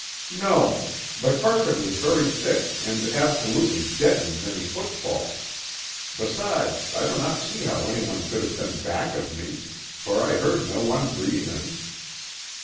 "No. The carpet is very thick and absolutely deadens any footfall. Besides I do not see how anyone could have been back of me for I heard no one breathing."